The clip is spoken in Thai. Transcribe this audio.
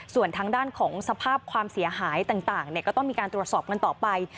ส่วนทางด้านของสภาพความเสียหายต่างก็ต้องมีการตรวจสอบกันต่อไป